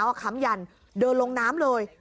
เอาค้ำยันเดินลงน้ำเลย